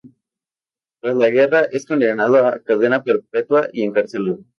Tras la guerra, es condenado a cadena perpetua y encarcelado.